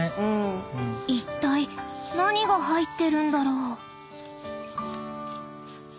一体何が入ってるんだろう？